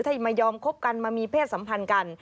ถ้ามายอมคบกันมามีเพศสัมพันธ์กัน